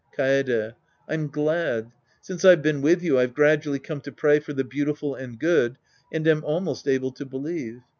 Kaede. I'm glad. Since I've been with you, I've gradually come to pray for the beautiful and good and am almost able to believe.